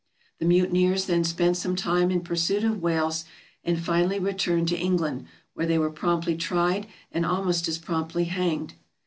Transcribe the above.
The mutineers then spent some time in pursuit of whales, and finally returned to England, where they were promptly tried and almost as promptly hanged.